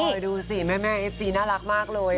โอ้โฮดูสิแม่เอฟซีน่ารักมากเลยอ่ะ